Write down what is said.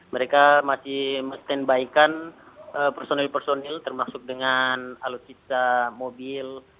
mereka masih men standbykan personil personil termasuk dengan alutsisa mobil